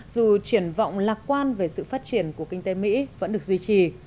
dù triển vọng lạc quan về sự phát triển của kinh tế mỹ vẫn được duy trì